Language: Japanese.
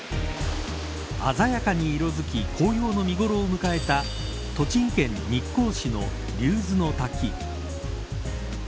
鮮やかに色づき紅葉の見頃を迎えた栃木県日光市の竜頭ノ滝。